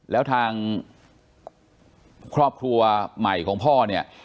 แล้วทางครอบครัวใหม่ของพ่อเนี่ย